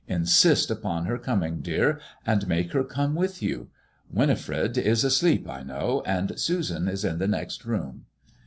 Insist upon her coming, dear, and make her MADEMOISELLE IXS. I49 come with you. Winifred is asleept I know, and Susan is in the next room."